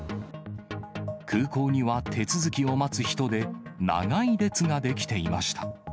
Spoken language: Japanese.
空港には手続きを待つ人で、長い列が出来ていました。